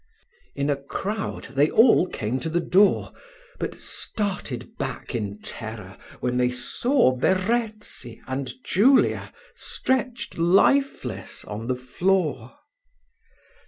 In a crowd they all came to the door, but started back in terror when they saw Verezzi and Julia stretched lifeless on the floor.